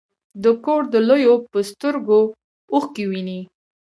د کور د لویو په سترګو اوښکې وینې.